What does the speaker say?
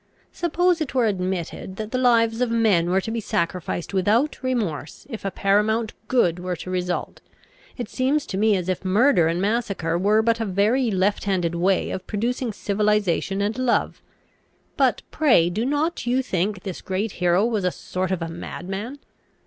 Suppose it were admitted that the lives of men were to be sacrificed without remorse if a paramount good were to result, it seems to me as if murder and massacre were but a very left handed way of producing civilisation and love. But pray, do not you think this great hero was a sort of a madman?